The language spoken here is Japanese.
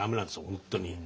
本当に。